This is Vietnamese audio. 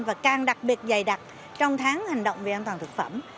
và càng đặc biệt dày đặc trong tháng hành động về an toàn thực phẩm